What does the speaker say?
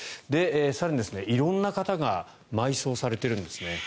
更に、色んな方が埋葬されているんですね。